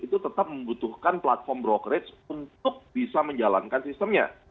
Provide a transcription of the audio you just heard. itu tetap membutuhkan platform brokrage untuk bisa menjalankan sistemnya